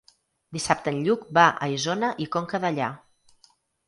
Dissabte en Lluc va a Isona i Conca Dellà.